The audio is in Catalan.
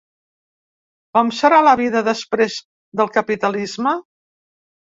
Com serà la vida després del capitalisme?